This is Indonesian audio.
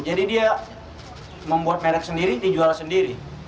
jadi dia membuat merek sendiri dijual sendiri